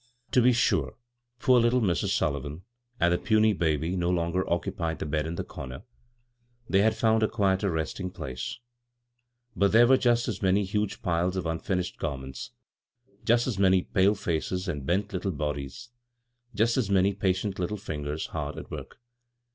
To be sure, poor little Mrs. Sullivan and the puny baby no longer i86 CROSS CURRENTS occupied the bed in the comer — ihey had found a quieter resting place ; but there were just as many huge piles of unfinished gar ments, just as many pales laces and bent lit tle bodies, just as many patient little fingers hard at work.